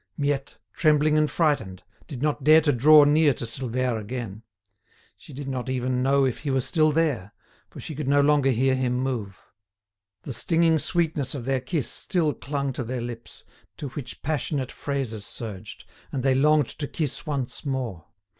Miette, trembling and frightened, did not dare to draw near to Silvère again. She did not even know if he were still there, for she could no longer hear him move. The stinging sweetness of their kiss still clung to their lips, to which passionate phrases surged, and they longed to kiss once more.